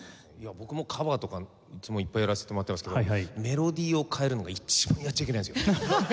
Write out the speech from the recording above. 僕もカバーとかいつもいっぱいやらせてもらってますけどメロディーを変えるのが一番やっちゃいけないんですよ。